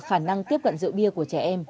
khả năng tiếp cận rượu bia của trẻ em